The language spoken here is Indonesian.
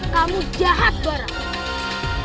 kamu jahat barat